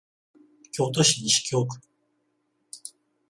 京都市西京区